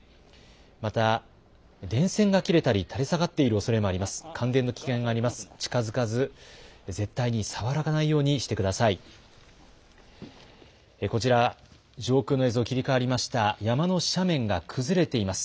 また、電線が切れたり、垂れ下がっているおそれもあります。